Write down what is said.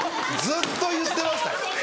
ずっと言ってましたよ。